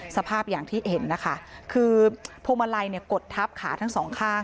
สภาพอย่างที่เห็นนะคะคือพวงมาลัยเนี่ยกดทับขาทั้งสองข้าง